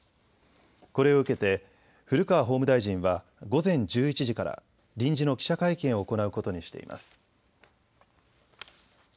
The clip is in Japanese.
これを受けて古川法務大臣は午前１１時から臨時の記者会見を行うことにしています。